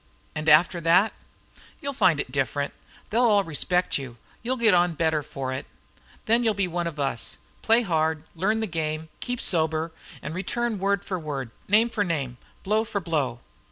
"And after that?" "You'll find it different. They'll all respect you; you'll get on better for it. Then you'll be one of us. Play hard, learn the game, keep sober and return word for word, name for name, blow for blow.